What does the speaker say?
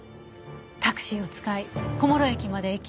タクシーを使い小諸駅まで行き